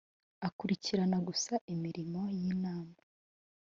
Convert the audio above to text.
akurikirana gusa imirimo y ‘inama .